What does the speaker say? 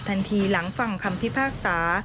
ทันทีหลังฟังคำพิพากษา